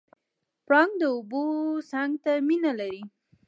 پړانګ د اوبو څنګ ته مینه لري.